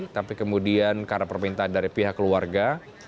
tapi kemudian karena permintaan dari pihak keluarga